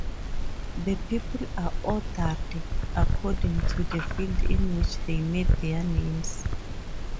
The people are ordered according to the field in which they made their names.